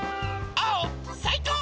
あおさいこう！